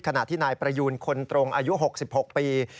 ขณะที่นายประยูนคนตรงอายุ๖๖ปี